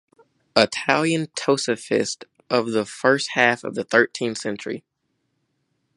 Italian tosafist of the first half of the thirteenth century.